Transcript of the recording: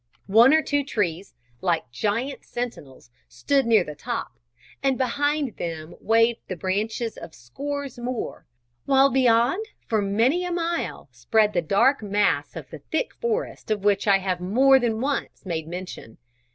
One or two trees, like giant sentinels, stood near the top, and behind them waved the branches of scores more, while beyond for many a mile spread the dark mass of the thick forest of which I have more than once made mention.